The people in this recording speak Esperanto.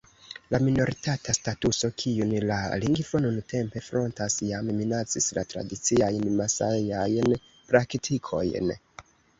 La minoritata statuso kiun la lingvo nuntempe frontas jam minacis la tradiciajn masajajn praktikojn.